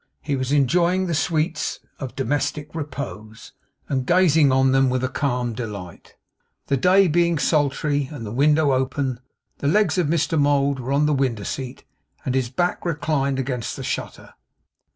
He was enjoying the sweets of domestic repose, and gazing on them with a calm delight. The day being sultry, and the window open, the legs of Mr Mould were on the window seat, and his back reclined against the shutter.